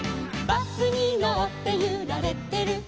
「バスにのってゆられてる」